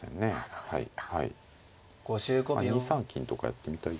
そうですか。